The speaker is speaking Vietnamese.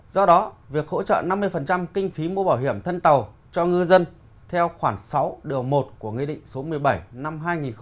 do đó việc hỗ trợ năm mươi kinh phí mua bảo hiểm thân tàu cho ngư dân theo khoảng sáu điều một của nghị định số một mươi bảy năm hai nghìn một mươi